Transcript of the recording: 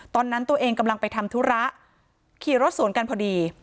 ตอนนั้นตัวเองกำลังไปทำธุระขี่รถสวนกันพอดี